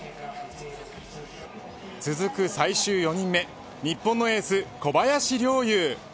続く最終４人目日本のエース小林陵侑。